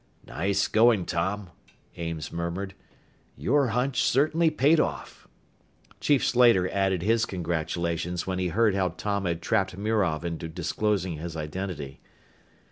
"Nice going, Tom," Ames murmured. "Your hunch certainly paid off." Chief Slater added his congratulations when he heard how Tom had trapped Mirov into disclosing his identity.